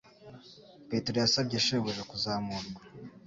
Petero yasabye shebuja kuzamurwa.